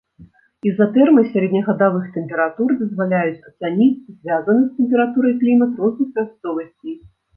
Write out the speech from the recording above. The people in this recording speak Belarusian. Ізатэрмы сярэднегадавых тэмператур дазваляюць ацаніць звязаны з тэмпературай клімат розных мясцовасцей.